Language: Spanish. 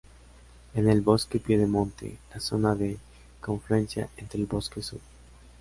En el bosque pie de monte, la zona de confluencia entre el Bosque Sub.